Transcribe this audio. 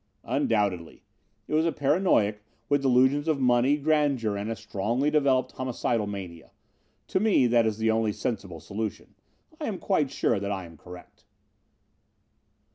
"Undoubtedly. It was a paranoic with delusions of money, grandeur and a strongly developed homicidal mania. To me, that is the only sensible solution. I am quite sure that I am correct."